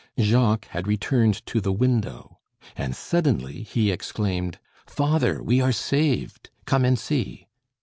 Jacques had returned to the window. And, suddenly, he exclaimed: "Father, we are saved! Come and see."